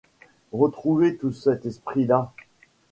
retrouvez tout cet esprit-là…